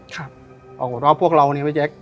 เพราะว่าพวกเราเนี่ยพี่เจค